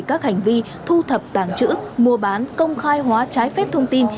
các hành vi thu thập tàng trữ mua bán công khai hóa trái phép thông tin